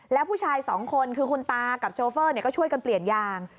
แล้วผู้ชายสองคนคือคุณตากับโชเฟอร์ก็ช่วยกันเปลี่ยนยาง